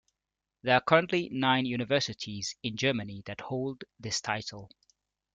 There are currently nine universities in Germany that hold this title.